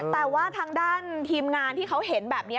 แต่ว่าทางด้านทีมงานที่เขาเห็นแบบนี้